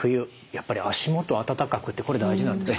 やっぱり足元暖かくってこれ大事なんですか？